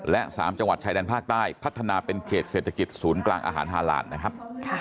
และ๓จังหวัดชายแดนภาคใต้พัฒนาเป็นเขตเศรษฐกิจศูนย์กลางอาหารฮาลานนะครับ